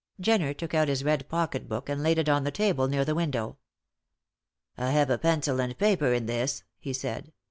Jenner took out his red pocket book and laid it on the table near the window. "I have a pencil and paper in this," he said.